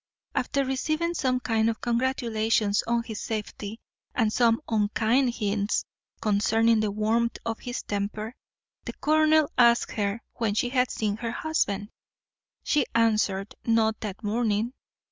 After receiving some kind congratulations on his safety, and some unkind hints concerning the warmth of his temper, the colonel asked her when she had seen her husband? she answered not that morning.